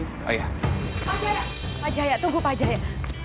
sudah tujuan rijawear